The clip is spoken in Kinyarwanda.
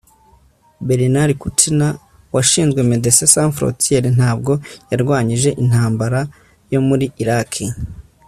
Bernard Kouchner washinze Medecins Sans Frontieres ntabwo yarwanyije intambara yo muri Iraki